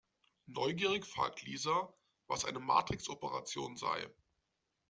Neugierig fragt Lisa, was eine Matrixoperation sei.